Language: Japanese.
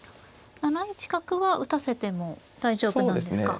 ７一角は打たせても大丈夫なんですか。